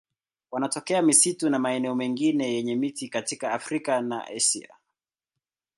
Wanatokea misitu na maeneo mengine yenye miti katika Afrika na Asia.